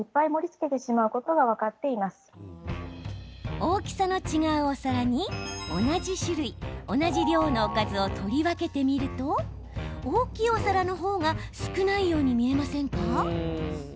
大きさの違うお皿に同じ種類、同じ量のおかずを取り分けてみると大きいお皿の方が少ないように見えませんか？